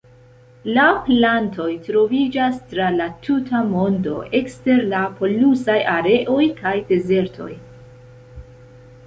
La plantoj troviĝas tra la tuta mondo, ekster la polusaj areoj kaj dezertoj.